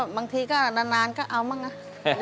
บางทีก็นานก็เอาบ้างนะ